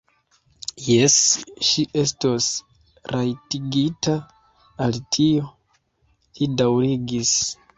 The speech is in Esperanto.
Jes, ŝi estos rajtigita al tio, li daŭrigis.